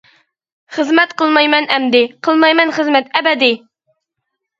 خىزمەت قىلمايمەن ئەمدى، قىلمايمەن خىزمەت ئەبەدىي.